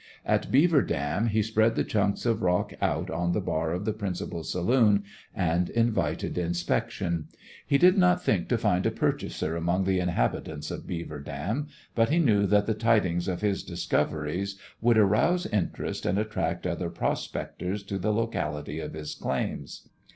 At Beaver Dam he spread the chunks of rock out on the bar of the principal saloon and invited inspection. He did not think to find a purchaser among the inhabitants of Beaver Dam, but he knew that the tidings of his discoveries would arouse interest and attract other prospectors to the locality of his claims.